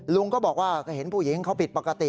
ลุงก็บอกว่าก็เห็นผู้หญิงเขาผิดปกติ